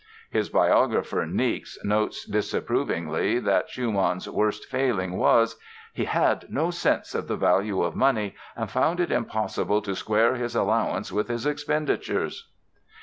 His biographer, Niecks, notes disapprovingly that Schumann's "worst failing" was: "He had no sense of the value of money and found it impossible to square his allowance with his expenditures".